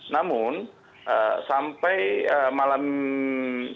namun sampai malam setelah